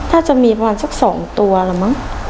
น่าจะมีประมาณสัก๒ตัวแล้วมั้ง